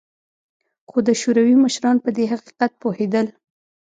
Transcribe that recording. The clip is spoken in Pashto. خو د شوروي مشران په دې حقیقت پوهېدل